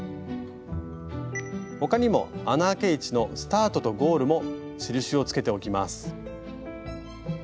他にも穴あけ位置のスタートとゴールも印をつけておきます。